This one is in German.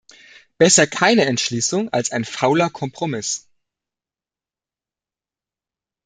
Besser keine Entschließung als ein fauler Kompromiss.